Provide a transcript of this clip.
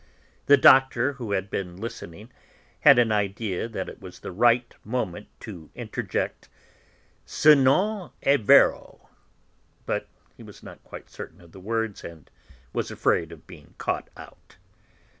The Doctor, who had been listening, had an idea that it was the right moment to interject "Se non è vero," but he was not quite certain of the words, and was afraid of being caught out.